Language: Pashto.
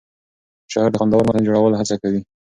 شاعر د خوندور متن جوړولو هڅه کوي.